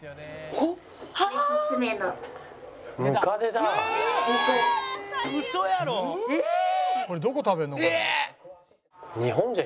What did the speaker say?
これどこ食べるの？